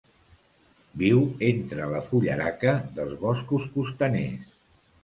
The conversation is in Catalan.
Viu entre la fullaraca dels boscos costaners.